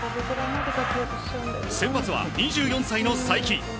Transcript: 先発は２４歳の才木。